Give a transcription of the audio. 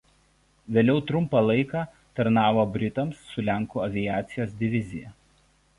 Vėliau trumpą laiką tarnavo britams su lenkų aviacijos divizija.